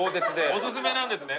おすすめなんですね